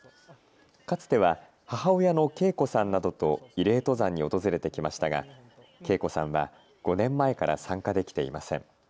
かつては母親の啓子さんなどと慰霊登山に訪れてきましたが啓子さんは５年前から参加できていません。